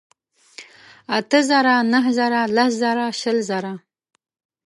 اتۀ زره ، نهه زره لس ژره شل زره